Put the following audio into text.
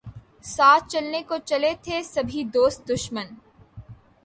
ساتھ چلنے کو چلے تھے سبھی دوست دشمن